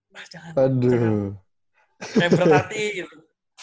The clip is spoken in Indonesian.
mas jangan jangan jangan kayak bertati gitu